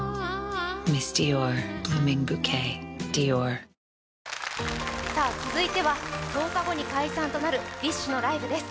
１抗菌続いては１０日後に解散となるＢｉＳＨのライブです。